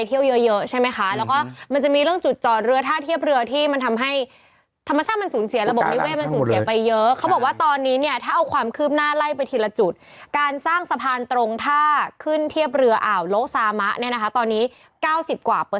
มีความดูสภาพธรรมชาติต่างนะนาจากคนไปเที่ยวเยอะใช่ไหมคะ